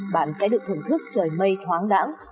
bạn sẽ được thưởng thức trời mây thoáng đẳng